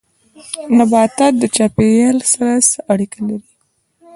نبات د چاپيريال سره اړيکه لري